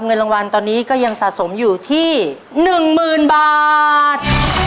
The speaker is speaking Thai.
เงินรางวานตอนนี้ก็ยังสะสมอยู่ที่หนึ่งหมื่นบาท